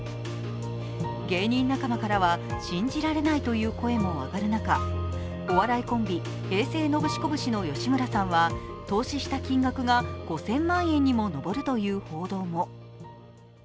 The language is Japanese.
芸人仲間からは信じられないという声も上がる中、お笑いコンビ・平成ノブシコブシの吉村さんは投資した金額が５０００万円にも上るという報道も。